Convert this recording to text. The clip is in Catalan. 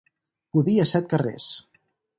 Pudir a set carrers.